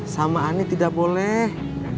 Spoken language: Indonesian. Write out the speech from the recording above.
sama ani tidak boleh